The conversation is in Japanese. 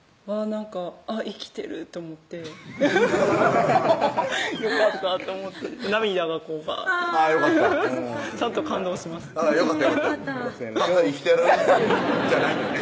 あっ生きてると思ってよかったと思って涙がバーッてよかったちゃんと感動しましたよかったよかった生きてる？じゃないもんね